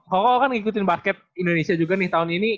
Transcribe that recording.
koko kan ngikutin basket indonesia juga nih tahun ini